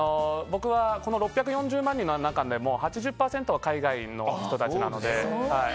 僕のこの６４０万人の中でも８０％が海外の人たちなので。